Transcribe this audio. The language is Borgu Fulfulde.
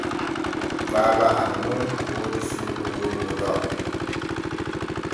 Baaba am nun woodi suudu wonnu ɗo.